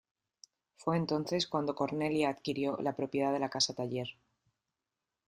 Fue entonces cuando Cornelia adquirió la propiedad de la casa-taller.